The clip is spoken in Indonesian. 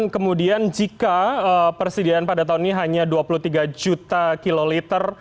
kemudian jika persediaan pada tahun ini hanya dua puluh tiga juta kiloliter